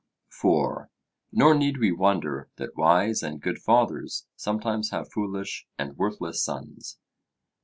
(4) Nor need we wonder that wise and good fathers sometimes have foolish and worthless sons.